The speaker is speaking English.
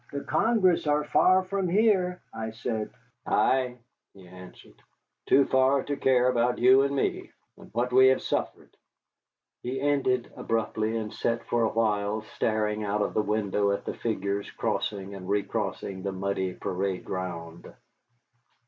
"The Congress are far from here," I said. "Ay," he answered, "too far to care about you and me, and what we have suffered." He ended abruptly, and sat for a while staring out of the window at the figures crossing and recrossing the muddy parade ground.